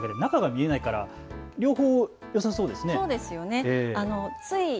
中身が見えないから両方よさそうですね。